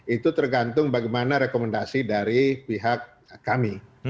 itu tergantung bagaimana rekomendasi dari pihak kami